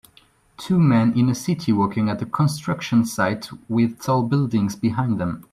Two men in a city working at a construction site with tall buildings behind them